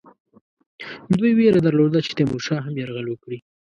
دوی وېره درلوده چې تیمورشاه هم یرغل وکړي.